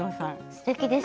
すてきです。